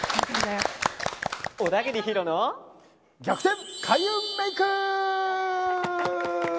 逆転開運メイク！